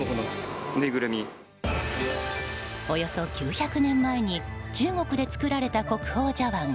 およそ９００年前に中国で作られた国宝茶わん